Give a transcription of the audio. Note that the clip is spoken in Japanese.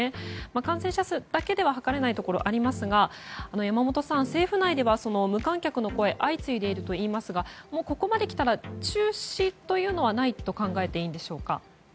感染者数だけでは測れないところがありますが政府内では無観客の声相次いでいるといいますがここまで来たら中止というのはないと考えていいんでしょうか？